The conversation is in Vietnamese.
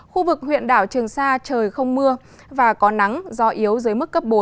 khu vực huyện đảo trường sa trời không mưa và có nắng gió yếu dưới mức cấp bốn